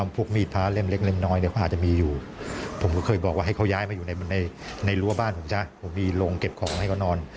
ผมก็เคยบอกว่าให้เขาย้ายมาอยู่ในรั้วบ้านผมมีโรงเก็บของให้เขานอน